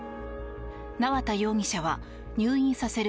縄田容疑者は入院させる